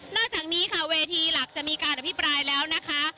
อกจากนี้ค่ะเวทีหลักจะมีการอภิปรายแล้วนะคะ